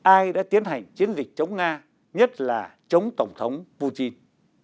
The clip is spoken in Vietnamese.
ai đã tiến hành chiến dịch chống nga nhất là chống tổng thống putin